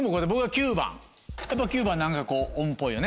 ９番何かオンっぽいよね。